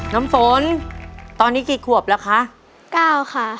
น้ำฝนตอนนี้กี่ขวบแล้วคะเก้าค่ะ